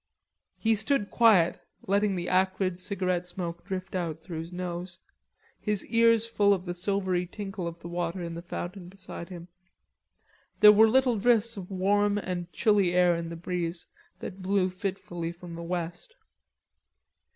He stood quiet letting the acrid cigarette smoke drift out through his nose, his ears full of the silvery tinkle of the water in the fountain beside him. There were little drifts of warm and chilly air in the breeze that blew fitfully from the west.